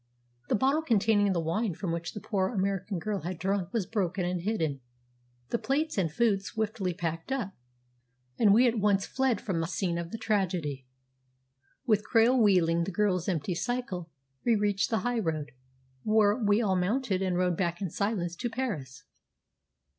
The bottle containing the wine from which the poor American girl had drunk was broken and hidden, the plates and food swiftly packed up, and we at once fled from the scene of the tragedy. With Krail wheeling the girl's empty cycle, we reached the high road, where we all mounted and rode back in silence to Paris.